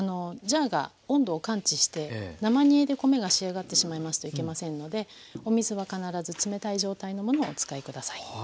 ジャーが温度を感知して生煮えで米が仕上がってしまいますといけませんのでお水は必ず冷たい状態のものをお使い下さい。